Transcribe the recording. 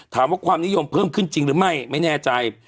ความนิยมเพิ่มขึ้นจริงหรือไม่ไม่แน่ใจ